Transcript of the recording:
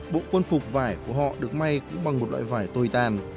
bộ quân phục vải của họ được may cũng bằng một loại vải tồi tàn